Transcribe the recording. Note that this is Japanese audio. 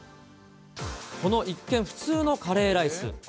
この一見、普通のカレーライス。